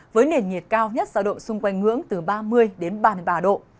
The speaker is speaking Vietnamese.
với nền nhiệt cao nhất ra độ xung quanh ngưỡng từ ba mươi đến ba mươi ba độ